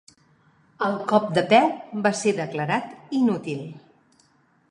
El cop de peu va ser declarat inútil.